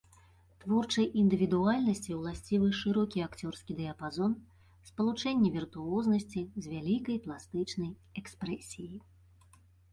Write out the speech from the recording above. Творчай індывідуальнасці ўласцівы шырокі акцёрскі дыяпазон, спалучэнне віртуознасці з вялікай пластычнай экспрэсіяй.